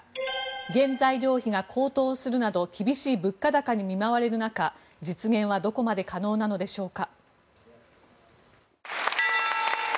原材料費が高騰するなど厳しい物価高に見舞われる中実現はどこまで可能なのでしょうか。